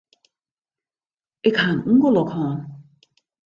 Ik ha in ûngelok hân.